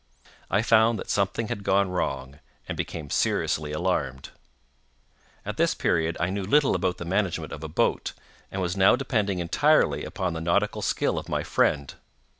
I found that something had gone wrong, and became seriously alarmed. At this period I knew little about the management of a boat, and was now depending entirely upon the nautical skill of my friend.